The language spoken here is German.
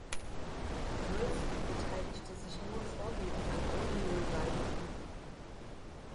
Wilson beteiligte sich nun vorwiegend an Oldie-Revival-Touren.